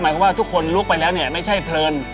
ว่าทุกคนลุกไปแล้วเนี่ยไม่ใช่เพลิน